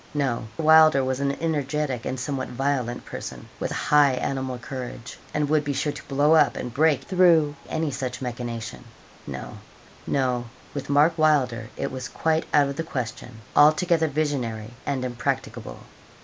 No; Wylder was an energetic and somewhat violent person, with high animal courage, and would be sure to blow up and break through any such machination. No, no; with Mark Wylder it was quite out of the question altogether visionary and impracticable.